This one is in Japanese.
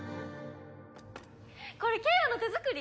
これ景和の手作り？